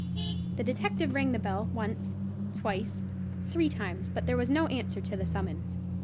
The detective rang the bell; once, twice, three times; but there was no answer to the summons.